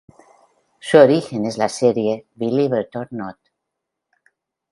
Su origen es la serie "Believe It or Not!